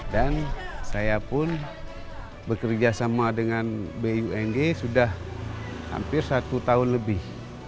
dan saya pun bekerja sama dengan bumg sudah hampir satu tahun lebih